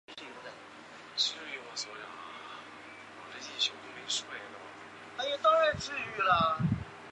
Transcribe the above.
是由日本漫画家猫豆腐创作的同人漫画。